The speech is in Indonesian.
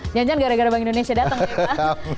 nyanyian gara gara bank indonesia datang